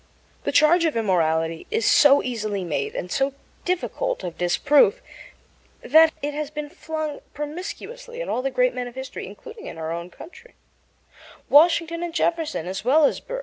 The charge of immorality is so easily made and so difficult of disproof that it has been flung promiscuously at all the great men of history, including, in our own country, Washington and Jefferson as well as Burr.